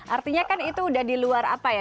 artinya kan itu udah di luar apa ya